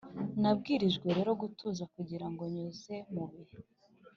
nabwirijwe rero gutuza kugirango nyuze mubihe